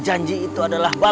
raja ini menang allatnya